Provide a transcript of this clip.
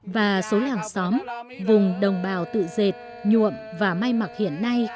và số làng xóm vùng đồng bào tự dệt nhuộm và may mặc hiện nay còn rất ít